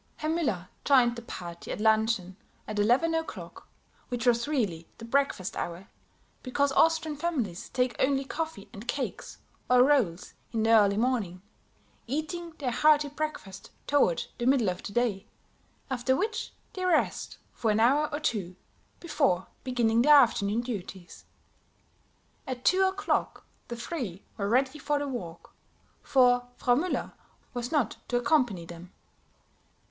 Herr Müller joined the party at luncheon at eleven o'clock, which was really the breakfast hour, because Austrian families take only coffee and cakes or rolls in the early morning, eating their hearty breakfast toward the middle of the day, after which they rest for an hour or two, before beginning their afternoon duties. At two o'clock the three were ready for the walk, for Frau Müller was not to accompany them.